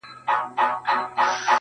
نازکبچياننازکګلونهيېدلېپاتهسي,